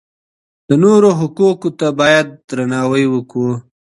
د نورو حقونو ته بايد درناوی وکړو.